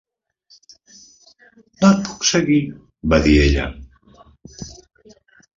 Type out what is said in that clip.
No et puc seguir, va dir ella.